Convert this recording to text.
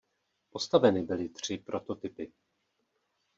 Postaveny byly tři prototypy.